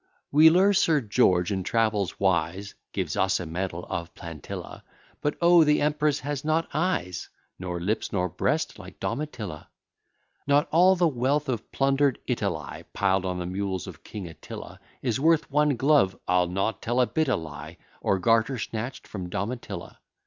Wheeler, Sir George, in travels wise, Gives us a medal of Plantilla; But O! the empress has not eyes, Nor lips, nor breast, like Domitilla. Not all the wealth of plunder'd Italy, Piled on the mules of king At tila, Is worth one glove (I'll not tell a bit a lie) Or garter, snatch'd from Domitilla.